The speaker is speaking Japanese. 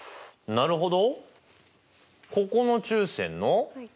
なるほど。